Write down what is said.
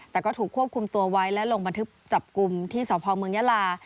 แต่ก็ถูกควบคุมตัวไว้และลงบันทึกจับกลุ่มที่สพเมืองยาลา